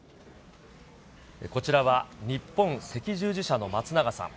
こちらは日本赤十字社の松永さん。